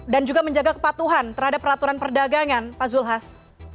dan juga menjaga kepatuhan terhadap peraturan perdagangan pak zulhas